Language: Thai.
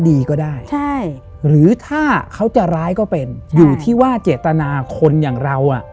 ดีก็ได้ใช่หรือถ้าเขาจะร้ายก็เป็นอยู่ที่ว่าเจตนาคนอย่างเราอ่ะ